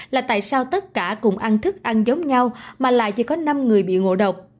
là tại sao tất cả cùng ăn thức ăn giống nhau mà lại chỉ có năm người bị ngộ độc